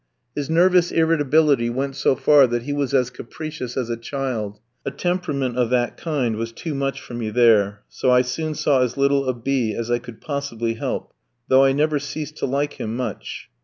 His nervous irritability went so far that he was as capricious as a child; a temperament of that kind was too much for me there, so I soon saw as little of B ski as I could possibly help, though I never ceased to like him much.